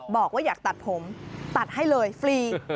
บอกว่าอยากตัดผมตัดให้เลยฟรี